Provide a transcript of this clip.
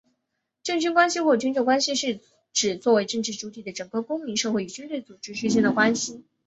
政军关系或军政关系是指作为政治主体的整个公民社会与军队组织之间的关系。